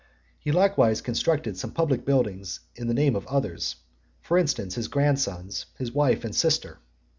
He likewise constructed some public buildings in the name of others; for instance, his grandsons, his wife, and sister.